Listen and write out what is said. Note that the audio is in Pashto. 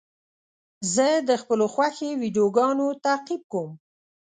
زه د خپلو خوښې ویډیوګانو تعقیب کوم.